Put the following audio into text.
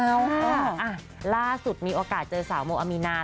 ล่าสุดมีโอกาสเจอสาวโมอามีนาน